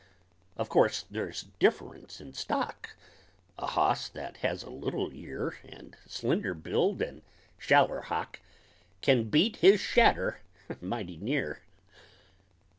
Of course they's differunce in stock, A hoss that has a little yeer, And slender build, and shaller hock, Can beat his shadder, mighty near!